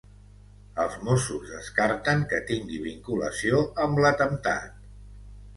Els mossos descarten que tingui vinculació amb l’atemptat.